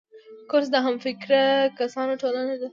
کورس د همفکره کسانو ټولنه ده.